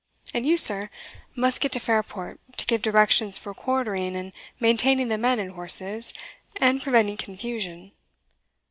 And you, sir, must get to Fairport, to give directions for quartering and maintaining the men and horses, and preventing confusion."